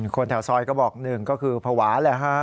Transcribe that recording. คนแถวซอยก็บอกหนึ่งก็คือภาวะแหละฮะ